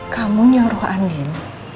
kamu nyuruh andin